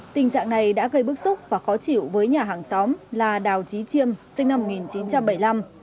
tình trạng này đã gây bức xúc và khó chịu với nhà hàng xóm là đào trí chiêm sinh năm một nghìn chín trăm bảy mươi năm